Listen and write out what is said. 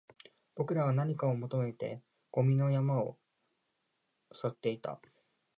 僕らは何かを求めてゴミの山を漁っていた